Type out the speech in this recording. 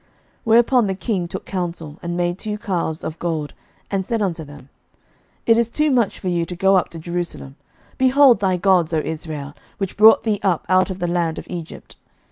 11:012:028 Whereupon the king took counsel, and made two calves of gold, and said unto them, It is too much for you to go up to Jerusalem: behold thy gods, O Israel, which brought thee up out of the land of Egypt.